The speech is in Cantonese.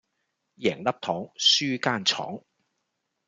贏粒糖輸間廠